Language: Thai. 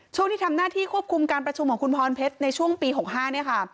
ช่วงที่ทำหน้าที่ควบคุมการประชุมของคุณพรเพชรในช่วงปี๖๕เนี่ยค่ะ